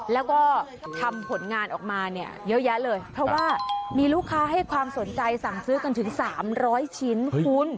แล้วก็ทำผลงานออกมาเนี่ยเยอะแยะเลยเพราะว่ามีลูกค้าให้ความสนใจสั่งซื้อกันถึง๓๐๐ชิ้นคุณ